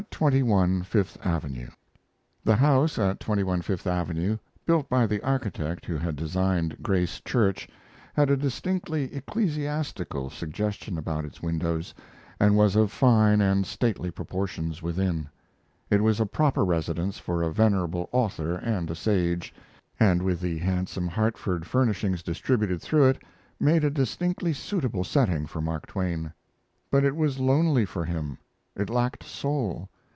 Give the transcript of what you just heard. LIFE AT 21 FIFTH AVENUE The house at 21 Fifth Avenue, built by the architect who had designed Grace Church, had a distinctly ecclesiastical suggestion about its windows, and was of fine and stately proportions within. It was a proper residence for a venerable author and a sage, and with the handsome Hartford furnishings distributed through it, made a distinctly suitable setting for Mark Twain. But it was lonely for him. It lacked soul.